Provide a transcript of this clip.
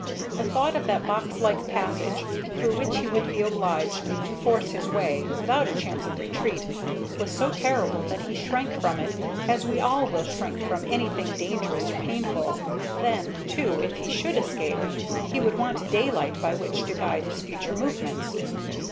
The thought of that box like passage, through which he would be obliged to force his way without a chance of retreat, was so terrible that he shrank from it as we all shrink from anything dangerous or painful. Then, too, if he should escape, he would want daylight by which to guide his future movements.